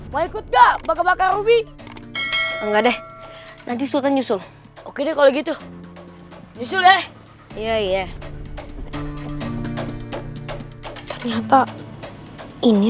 maikut bak bakarubi enggak deh nanti sultan yusul oke kalau gitu yusul ya iya ternyata ini